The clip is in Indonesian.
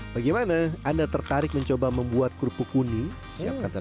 bagaimana anda tertarik mencoba membuat kerupuk mie kuning